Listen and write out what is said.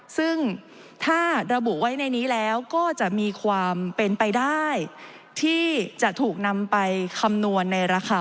ซึ่งถ้าระบุไว้ในนี้แล้วก็จะมีความเป็นไปได้ที่จะถูกนำไปคำนวณในราคา